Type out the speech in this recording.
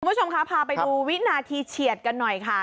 คุณผู้ชมคะพาไปดูวินาทีเฉียดกันหน่อยค่ะ